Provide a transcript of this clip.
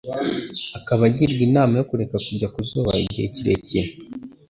akaba agirwa inama yo kureka kujya kuzuba igihe kirekire.